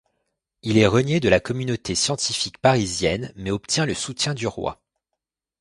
Il est renié de la communauté scientifique parisienne, mais obtient le soutien du roi.